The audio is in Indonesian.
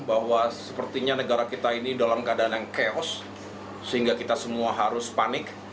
bahwa sepertinya negara kita ini dalam keadaan yang chaos sehingga kita semua harus panik